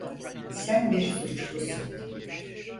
Sen bir suçlusun.